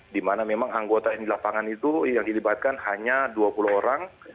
di mana memang anggota yang di lapangan itu yang dilibatkan hanya dua puluh orang